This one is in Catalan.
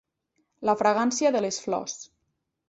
La fragància de les flors.